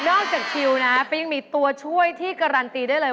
จากคิวนะก็ยังมีตัวช่วยที่การันตีได้เลย